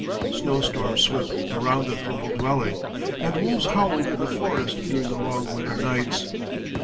Snowstorms swept around the humble dwelling, and wolves howled in the forest during the long winter nights.